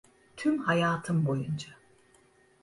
Tüm hayatım boyunca.